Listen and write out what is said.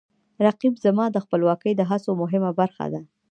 رقیب زما د خپلواکۍ د هڅو مهمه برخه ده